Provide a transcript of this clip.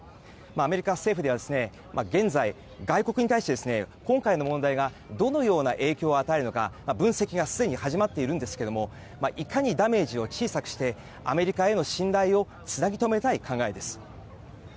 アメリカ政府では現在、外国に対して今回の問題がどのような影響を与えるのか分析がすでに始まっているんですけれどもいかにダメージを小さくしてアメリカへの信頼をつなぎ留めたい考えです。